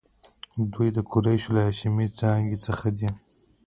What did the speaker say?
دوی د قریشو له هاشمي څانګې څخه دي.